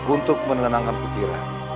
untuk menenangkan kejirah